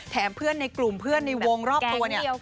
เพื่อนในกลุ่มเพื่อนในวงรอบตัวเนี่ย